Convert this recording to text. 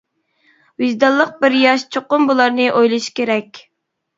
ۋىجدانلىق بىر ياش چوقۇم بولارنى ئويلىشى كېرەك.